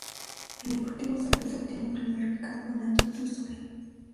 El Deportivo Saprissa obtiene el primer bicampeonato de su historia.